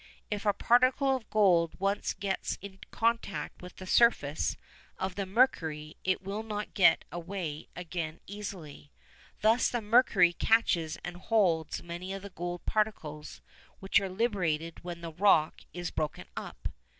If a particle of gold once gets into contact with the surface of the mercury it will not get away again easily. Thus the mercury catches and holds many of the gold particles which are liberated when the rock is broken up.